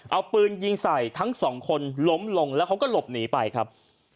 เอาปืนยิงใส่ทั้งสองคนล้มลงแล้วเขาก็หลบหนีไปครับ